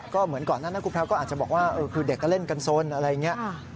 ก็เหมือนก่อนนั้นครูแพรวก็อาจจะบอกว่าคือเด็กก็เล่นกันสนอะไรอย่างนี้